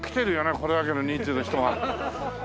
これだけの人数の人が。